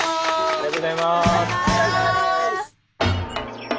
ありがとうございます！